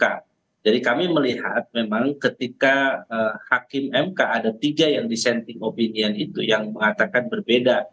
jadi kami melihat memang ketika hakim mk ada tiga yang disenting opinion itu yang mengatakan berbeda